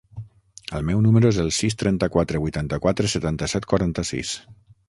El meu número es el sis, trenta-quatre, vuitanta-quatre, setanta-set, quaranta-sis.